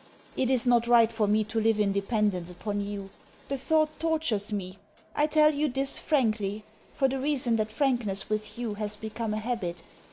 It is not right for me to live in dependence upon you. The thought tortures me. I tell you this frankly, for the reason that frankness with you has become a habit.